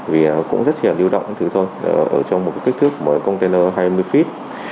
vì cũng rất nhiều lưu động ở trong một kích thước container hai mươi feet